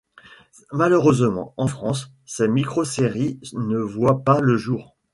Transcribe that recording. Malheureusement, en France, ces micro-séries ne voient pas le jour.